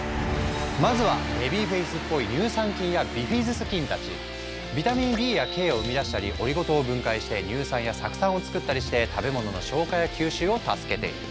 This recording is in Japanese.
まずはベビーフェースっぽいビタミンＢやＫを生み出したりオリゴ糖を分解して乳酸や酢酸を作ったりして食べ物の消化や吸収を助けている。